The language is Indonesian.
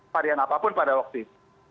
varian apapun pada waktu itu